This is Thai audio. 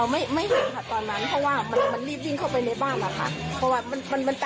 ได้ยินเสียงปืนไหมคะพี่